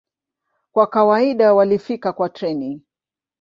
Kwa kawaida walifika kwa treni.